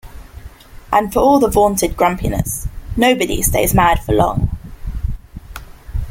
And for all the vaunted grumpiness, nobody stays mad for long.